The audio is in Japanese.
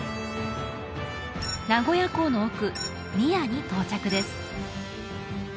名古屋港の奥宮に到着です